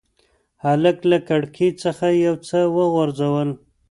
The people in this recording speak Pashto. هلک له کړکۍ څخه یو څه وغورځول.